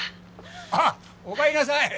あっおかえりなさい。